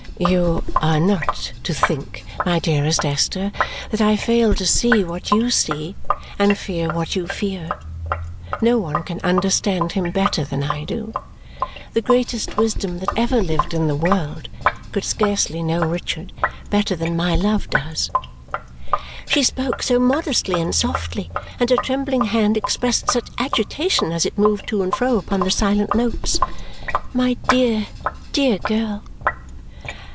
"You are not to think, my dearest Esther, that I fail to see what you see and fear what you fear. No one can understand him better than I do. The greatest wisdom that ever lived in the world could scarcely know Richard better than my love does." She spoke so modestly and softly and her trembling hand expressed such agitation as it moved to and fro upon the silent notes! My dear, dear girl!